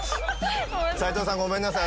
齋藤さんごめんなさい。